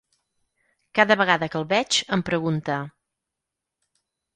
Cada vegada que el veig, em pregunta: